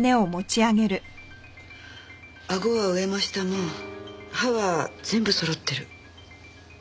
あごは上も下も歯は全部そろってる。